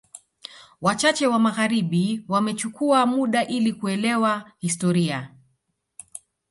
Wachache wa magharibi wamechukua muda ili kuelewa historia